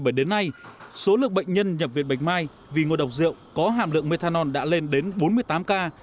từ đầu năm hai nghìn một mươi bảy đến nay số lượng bệnh nhân nhập viện bạch mai vì ngộ độc rượu có hàm lượng methanol đã lên đến bốn mươi tám ca